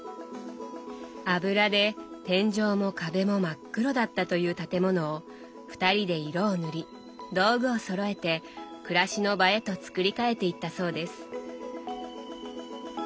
油で天井も壁も真っ黒だったという建物を二人で色を塗り道具をそろえて暮らしの場へと作り替えていったそうです。